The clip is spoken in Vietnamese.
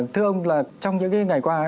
thưa ông là trong những cái ngày qua